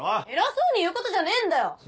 偉そうに言うことじゃねえんだよ。